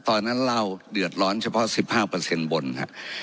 ตอนนั้นเราเดือดร้อนเฉพาะ๑๕บนครับ